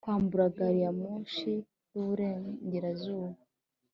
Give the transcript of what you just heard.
kwambura gariyamoshi y'iburengerazuba. '